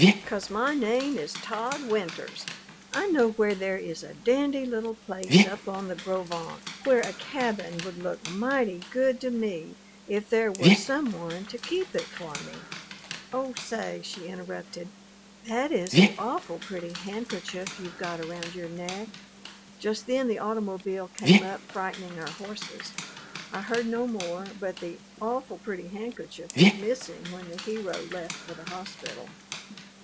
"'Cause my name is Tod Winters. I know where there is a dandy little place up on the Gros Ventre where a cabin would look mighty good to me if there was some one to keep it for me " "Oh, say," she interrupted, "that is a awful pretty handkerchief you've got around your neck." Just then the automobile came up frightening our horses. I heard no more, but the "awful pretty handkerchief" was missing when the hero left for the hospital.